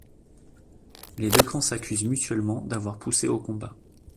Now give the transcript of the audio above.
Les deux camps s'accusent mutuellement d'avoir poussé au combat.